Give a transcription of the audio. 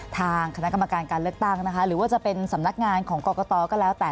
ทางคณะกรรมการการเลือกตั้งนะคะหรือว่าจะเป็นสำนักงานของกรกตก็แล้วแต่